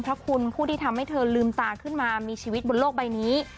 พระคุณผู้ที่ทำให้เธอลืมตาขึ้นมามีชีวิตบนโลกใบนี้